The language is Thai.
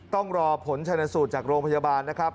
ต้องรอผลชนสูตรจากโรงพยาบาลนะครับ